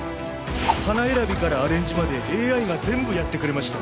「花選びからアレンジまでＡＩが全部やってくれました」